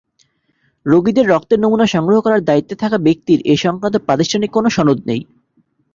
রোগীদের রক্তের নমুনা সংগ্রহ করার দায়িত্বে থাকা ব্যক্তির এ-সংক্রান্ত প্রাতিষ্ঠানিক কোনো সনদ নেই।